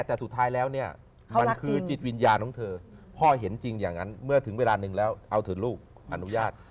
แต่สุดท้ายแล้วเนี่ยมันคือจิตวิญญาณของเธอพ่อเห็นจริงอย่างนั้นเมื่อถึงเวลานึงแล้วเอาเถอะลูกอนุญาต